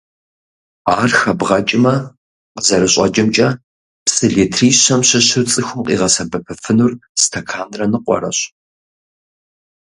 Ар хэбгъэкӀмэ, къызэрыщӀэкӀымкӀэ, псы литри щэм щыщу цӀыхум къигъэсэбэпыфынур стэканрэ ныкъуэрэщ.